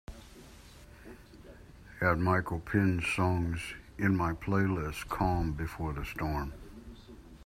add Michael Penn songs in my playlist Calm before the storm